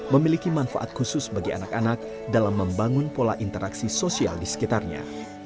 memiliki manfaat khusus bagi anak anak dalam membangun pola interaksi sosial di sekitarnya